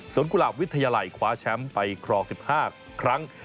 ส่วนกุหลาบวิทยาลัยคว้าแชมป์ไปครอง๑๕ครั้ง